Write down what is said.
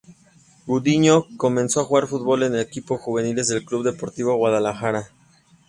Gudiño comenzó a jugar fútbol en los equipos juveniles del Club Deportivo Guadalajara.